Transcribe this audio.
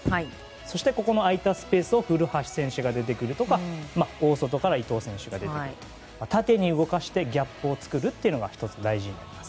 そして、この空いたスペースを古橋選手が出てくるとか大外から伊東選手が出てくるとか縦に動かしてギャップを作るというのが１つ大事になります。